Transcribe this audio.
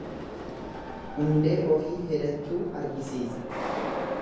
Hundee ofii hedachuu argisiisa.